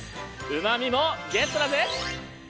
うまみもゲットだぜ！